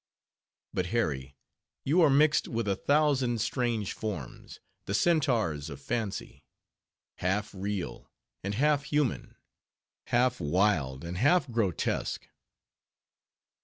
But Harry! you are mixed with a thousand strange forms, the centaurs of fancy; half real and human, half wild and grotesque.